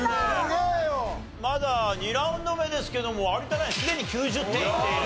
まだ２ラウンド目ですけども有田ナインすでに９０点いっている。